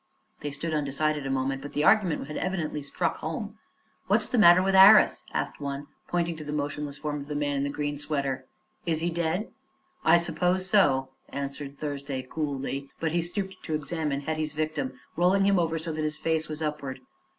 They stood undecided a moment, but the argument had evidently struck home. "What's the matter with Harris?" asked one, pointing to the motionless form of the man in the green sweater. "Is he dead?" "I suppose so," answered Thursday coolly; but he stooped to examine Hetty's victim, rolling him over so that his face was upward.